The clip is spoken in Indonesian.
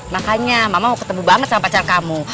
makanya mama mau ketemu banget sama pacar kamu